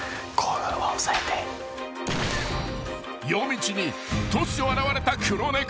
［夜道に突如現れた黒猫？］